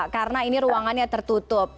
karena ini ruangannya tertutup